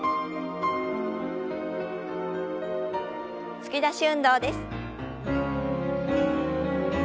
突き出し運動です。